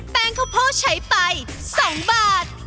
แป้งข้าวโพร่ใช้ไป๒บาท